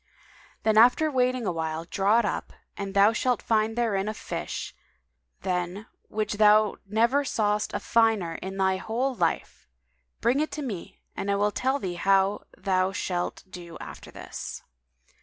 [FN#196] Then after waiting awhile, draw it up and thou shalt find therein a fish, than which thou never sawest a finer in thy whole life. Bring it to me and I will tell thee how thou shalt do after this."